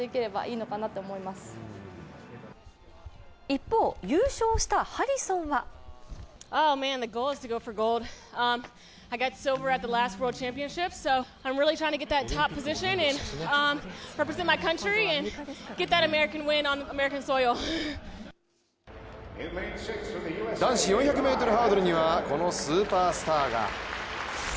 一方、優勝したハリソンは男子４００ｍハードルにはこのスーパースターが。